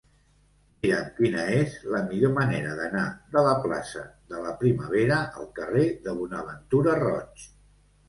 Mira'm quina és la millor manera d'anar de la plaça de la Primavera al carrer de Bonaventura Roig.